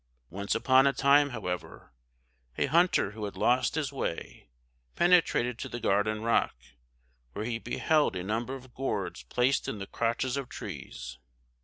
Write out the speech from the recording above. Once upon a time, however, a hunter who had lost his way penetrated to the Garden Rock, where he beheld a number of gourds placed in the crotches of trees.